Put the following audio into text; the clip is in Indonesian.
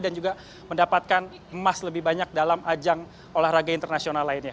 dan juga mendapatkan emas lebih banyak dalam ajang olahraga internasional lainnya